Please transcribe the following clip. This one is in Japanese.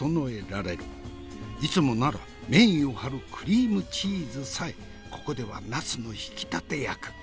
いつもならメインを張るクリームチーズさえここではナスの引き立て役。